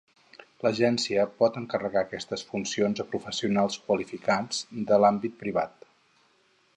L'Agència pot encarregar aquestes funcions a professionals qualificats de l'àmbit privat.